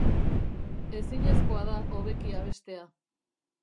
Ezinezkoa da hobeki abestea.